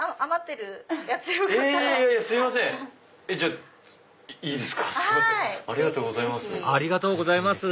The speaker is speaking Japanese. ありがとうございます